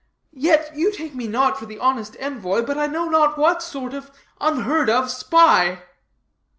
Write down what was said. Yet you take me not for the honest envoy, but I know not what sort of unheard of spy.